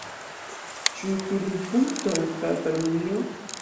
Ĉu turnpunkto en Katalunio?